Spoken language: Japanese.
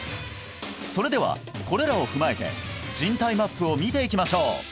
それではこれらを踏まえて人体ＭＡＰを見ていきましょう